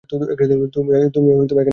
তুমিও এখানে নিরাপদে আছ।